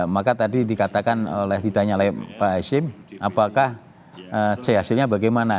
maka tadi dikatakan oleh ditanya oleh pak hashim apakah c hasilnya bagaimana